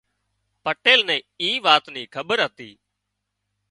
پٽيل نين اي وات ني کٻير هتي